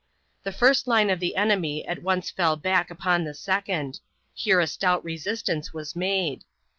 The first line of the enemy at once fell back upon the second; here a stout resistance was made.